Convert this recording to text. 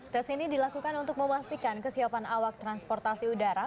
tes ini dilakukan untuk memastikan kesiapan awak transportasi udara